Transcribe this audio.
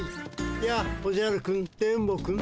やあおじゃるくん電ボくん。